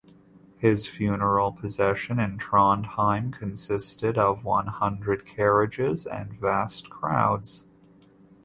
His funeral procession in Trondheim consisted of one hundred carriages and vast crowds.